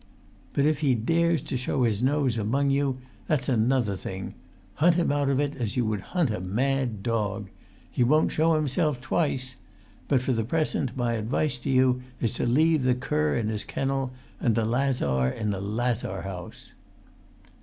But if he dares to show his nose among you, that's another thing; hunt him out of it as you would hunt a mad dog! He won't show himself twice. But for the present my advice to you is to leave the cur in his kennel, and the lazar in the lazar house!"